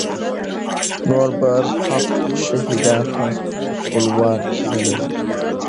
نور برحق شهیدان هم خپلوان نه لري.